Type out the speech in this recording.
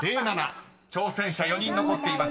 ［挑戦者４人残っています。